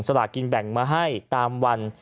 ลากินแบ่งมาให้ตามวัน